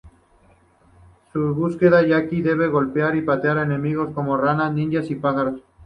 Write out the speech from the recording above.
En su búsqueda, Jackie debe golpear y patear enemigos como ranas, ninjas y pájaros.